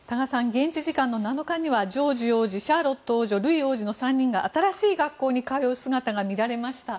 現地時間７日は、ジョージ王子シャーロット王女ルイ王子の３人が新しい学校に通う姿が見られました。